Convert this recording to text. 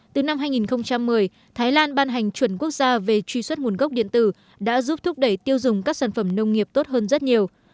từ năm hai nghìn một mươi thái lan ban hành chuẩn quốc gia về truy xuất nguồn gốc điện tử đã giúp thúc đẩy tiêu dùng các sản phẩm nông nghiệp tốt hơn rất nhiều